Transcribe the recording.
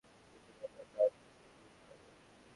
জালিমদের সম্পর্কে তুমি আমাকে কিছু বলল না, তারা তো নিমজ্জিত হবে।